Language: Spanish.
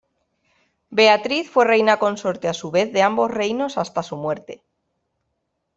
Beatriz fue reina consorte a su vez de ambos reinos hasta su muerte.